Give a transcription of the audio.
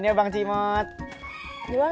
sampai nanti pur